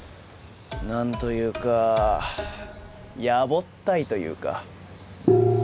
何というかやぼったいというか。